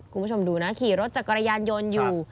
คุณผู้ชมดูนะขี่รถจักรยานยนต์อยู่